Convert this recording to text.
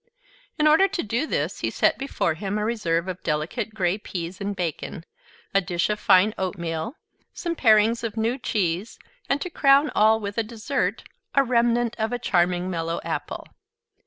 In order to do this he set before him a reserve of delicate gray pease and bacon, a dish of fine oatmeal, some parings of new cheese, and, to crown all with a dessert, a remnant of a charming mellow apple.